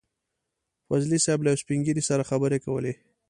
فضلي صیب له يو سپين ږيري سره خبرې کولې.